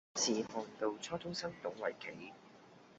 第一次看到初中生懂圍棋